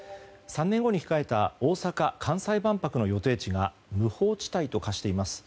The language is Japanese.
３年後に控えた大阪・関西万博の予定地が無法地帯と化しています。